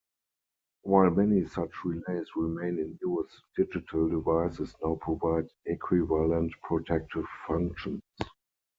While many such relays remain in use, digital devices now provide equivalent protective functions.